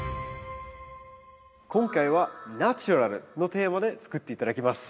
今回は「ナチュラル」のテーマで作って頂きます。